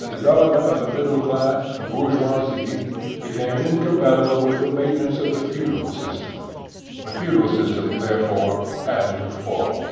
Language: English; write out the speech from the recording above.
The develop ment of the middle class, the bourgeoisie, became incompatible with the maintenance of the feudal system; the feudal system, therefore, had to fall.